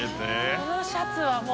このシャツはもう。